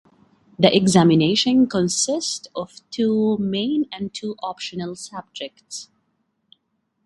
The examination consists of two main and two optional subjects.